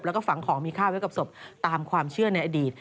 แล้วก็ฝังของมีค่าไว้กับศพตามความเชื่อในอดีต